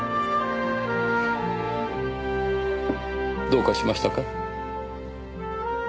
どうかしましたか？